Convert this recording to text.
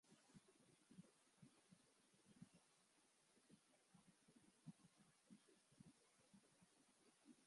তিনি তৃতীয় নারী এবং প্রথম কৃষ্ণাঙ্গ নারী হিসেবে এই পদে অধিষ্ঠিত হয়েছেন।